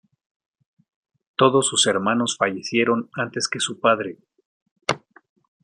Todos sus hermanos fallecieron antes que su padre.